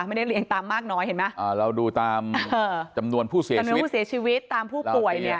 ไม่ได้เรียงตามมากน้อยเห็นไหมเราดูตามจำนวนผู้เสียชีวิตตามผู้ป่วยเนี่ย